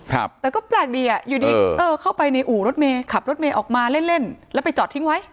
ครับแต่ก็แปลกดีอ่ะอยู่ดีเออเข้าไปในอู่รถเมย์ขับรถเมย์ออกมาเล่นเล่นแล้วไปจอดทิ้งไว้